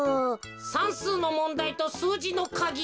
さんすうのもんだいとすうじのかぎ。